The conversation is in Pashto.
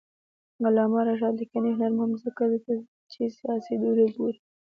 د علامه رشاد لیکنی هنر مهم دی ځکه چې سیاسي دورې ګوري.